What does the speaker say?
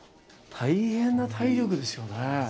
大変な体力ですよね。